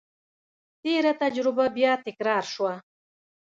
تېره تجربه بیا تکرار شوه.